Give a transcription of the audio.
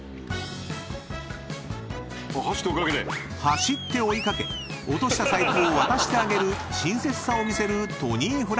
［走って追い掛け落とした財布を渡してあげる親切さを見せるトニーフランクでした］